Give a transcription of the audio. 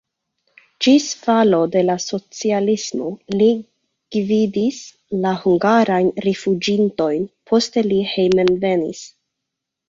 Ĝis falo de la socialismo li gvidis la hungarajn rifuĝintojn, poste li hejmenvenis.